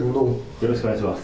よろしくお願いします。